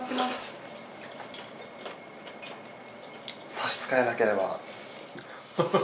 差し支えなければ。